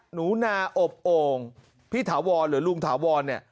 หนูนาอบโอ่งพี่ถาวรหรือลุงถาวรเนี่ย